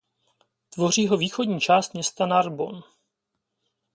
Tvoří ho východní část města Narbonne.